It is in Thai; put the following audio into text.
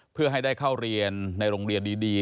เพื่อให้ได้เข้าเรียนในโรงเรียนดี